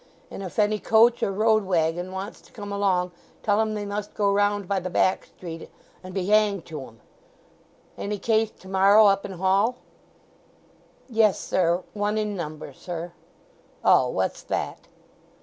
And if any coach or road waggon wants to come along, tell 'em they must go round by the back street, and be hanged to 'em.... Any case tomorrow up in Hall?" "Yes, sir. One in number, sir." "Oh, what's that?"